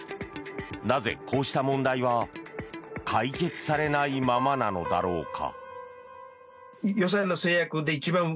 なぜ、こうした問題は解決されないままなのだろうか。